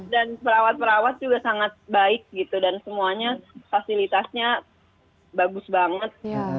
dan perawat perawat juga sangat baik gitu dan semuanya fasilitasnya bagus banget